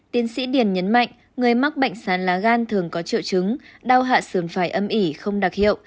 tiến sĩ điền nhấn mạnh người mắc bệnh sán lá gan thường có triệu chứng đau hạ sườn phải âm ỉ không đặc hiệu